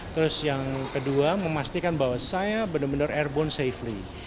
terus yang kedua memastikan bahwa saya benar benar airborne safely